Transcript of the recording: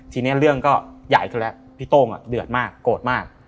ทีนี้เรื่องก็ใหญ่ขึ้นแล้วพี่โต้งเดือดมากโกรธมาก